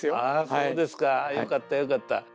あそうですか。よかったよかった。